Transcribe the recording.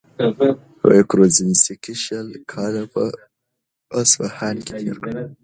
کروزینسکي شل کاله په اصفهان کي تېر کړل.